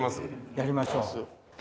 やりましょう。